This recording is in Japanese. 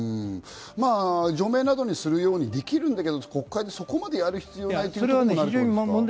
除名などにするようにできるんだけど、国会ってそこまでやる必要ないっていうところも。